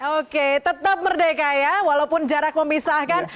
oke tetap merdeka ya walaupun jarak memisahkan